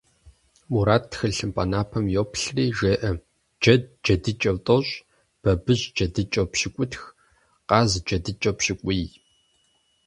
Мурат, тхылъымпӀэ напэм йоплъри, жеӀэ: Джэд джэдыкӀэу тӀощӀ, бабыщ джэдыкӀэу пщыкӀутх, къаз джэдыкӀэу пщыкӀуий.